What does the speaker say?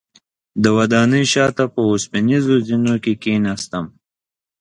د ودانۍ شاته په اوسپنیزو زینو کې کیناستم.